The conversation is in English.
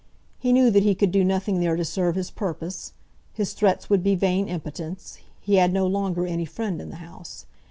He knew that he could do nothing there to serve his purpose; his threats would be vain impotence; he had no longer any friend in the house.